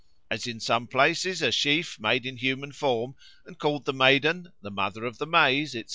As in some places a sheaf made in human form and called the Maiden, the Mother of the Maize, etc.